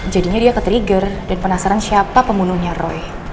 jadinya dia ketrigger dan penasaran siapa pembunuhnya roy